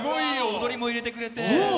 踊りも入れてくれて。